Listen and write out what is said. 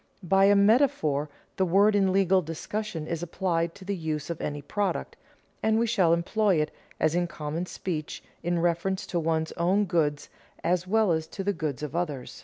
By a metaphor the word in legal discussion is applied to the use of any product, and we shall employ it, as in common speech, in reference to one's own goods as well as to the goods of another.